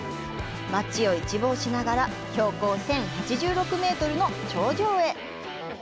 街を一望しながら標高１０８６メートルの頂上へ。